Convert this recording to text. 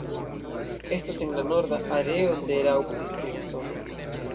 Estas en la norda areo de Raub-distrikto.